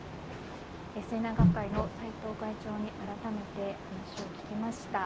水難学会の斎藤会長に改めて話を聞きました。